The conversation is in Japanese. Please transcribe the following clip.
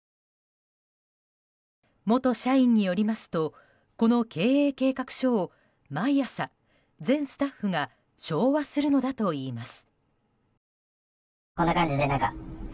元社員によりますとこの経営計画書を毎朝、全スタッフが唱和するのだといいます。